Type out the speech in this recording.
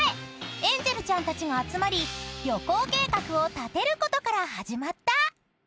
エンジェルちゃんたちが集まり旅行計画を立てることから始まった］